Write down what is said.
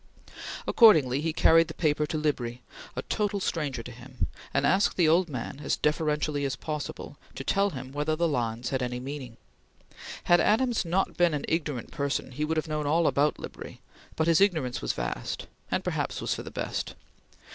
Accordingly he carried his paper to Libri, a total stranger to him, and asked the old man, as deferentially as possible, to tell him whether the lines had any meaning. Had Adams not been an ignorant person he would have known all about Libri, but his ignorance was vast, and perhaps was for the best.